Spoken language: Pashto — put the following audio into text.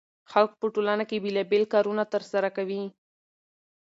خلک په ټولنه کې بېلابېل کارونه ترسره کوي.